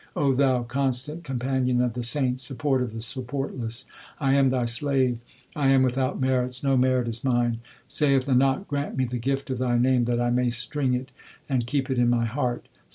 Thou, constant Companion of the saints, Support of the supportless, 1 am Thy slave, I am without merits, no merit is mine. Saith Nanak, grant me the gift of Thy name that I may string it and keep it in my heart.